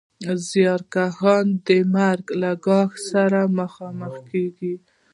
زیارکښان د مرګ له ګواښ سره مخامخ کېږي